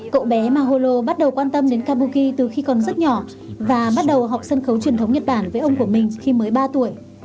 cậu bé maholo bắt đầu quan tâm đến kabuki từ khi còn rất nhỏ và bắt đầu học sân khấu truyền thống nhật bản với ông của mình khi mới ba tuổi